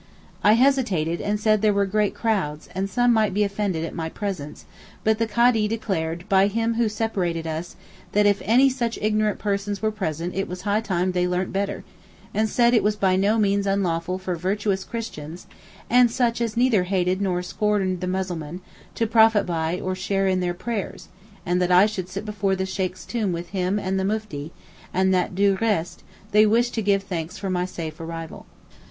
I hesitated, and said there were great crowds, and some might be offended at my presence; but the Kadee declared 'by Him who separated us' that if any such ignorant persons were present it was high time they learnt better, and said that it was by no means unlawful for virtuous Christians, and such as neither hated nor scorned the Muslimeen, to profit by, or share in their prayers, and that I should sit before the Sheykh's tomb with him and the Mufti; and that du reste, they wished to give thanks for my safe arrival.